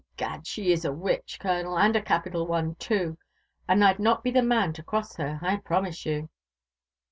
Egad I she is a witch, colonel, and a capital one too; and I'd not be the man to cross her, I promise you."